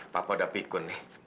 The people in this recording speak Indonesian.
papa udah pikun nih